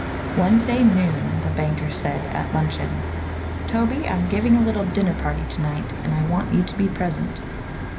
Wednesday noon the banker said at luncheon: "Toby, I'm giving a little dinner party to night and I want you to be present."